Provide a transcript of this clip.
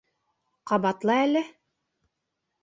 Ҡабатла әле?